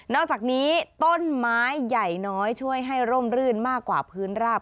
อกจากนี้ต้นไม้ใหญ่น้อยช่วยให้ร่มรื่นมากกว่าพื้นราบ